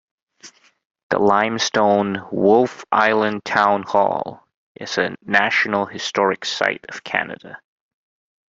The limestone Wolfe Island Town Hall is a National Historic Site of Canada.